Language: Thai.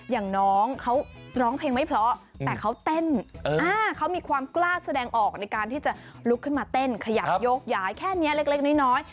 อย่างน้องเขาร้องเพลงไม่เพราะแต่เขาเต้นเขามีความกล้าแสดงออกในการที่จะลุกขึ้นมาเต้นขยับโยกย้ายแค่นี้เล็กน้อย